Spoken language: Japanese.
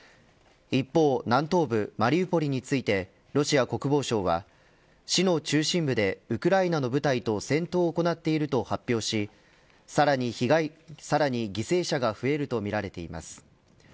一方、南東部マリウポリについてロシア国防省は市の中心部でウクライナの部隊と戦闘を行っていると発表しさらに犠牲者が増えるとみられています。